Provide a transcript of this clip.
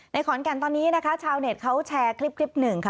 ขอนแก่นตอนนี้นะคะชาวเน็ตเขาแชร์คลิปหนึ่งค่ะ